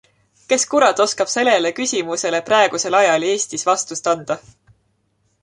Kes kurat oskab sellele küsimusele praegusel ajal Eestis vastust anda.